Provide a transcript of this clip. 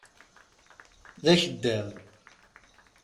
D akeddab.